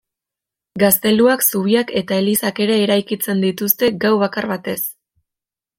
Gazteluak zubiak eta elizak ere eraikitzen dituzte gau bakar batez.